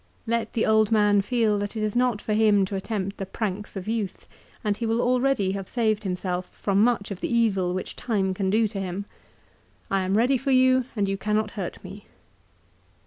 Let the old man feel that it is not for him to attempt the pranks of youth, and he will already have saved himself from much of the evil which Time can do to him. I am ready for you, and you cannot hurt me.